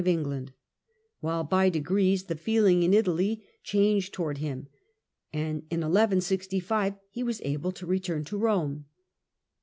of England, while by degrees the feeling in Italy changed towards him, and in 1165 he was able to return to Eome.